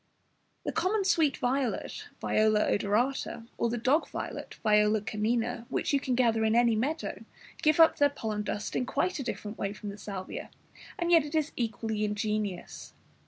The common sweet violet (Viola odorata) or the dog violet (Viola canina), which you can gather in any meadow, give up their pollen dust in quite a different way from the Salvia, and yet it is equally ingenious.